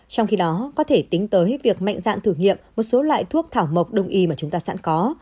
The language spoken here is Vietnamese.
trong khi đó có thể tính tới việc mạnh dạn thử nghiệm một số loại thuốc thảo mộc đông y mà chúng ta sẵn có